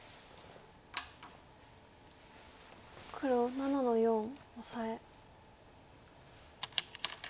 黒７の四オサエ。